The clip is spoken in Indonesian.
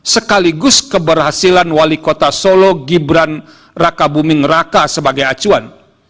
sekaligus keberhasilan wali kota solo gibran raka buming raka sebagai acuan